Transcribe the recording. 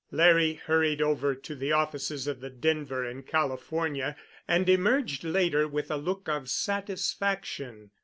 Larry hurried over to the offices of the Denver and California and emerged later with a look of satisfaction.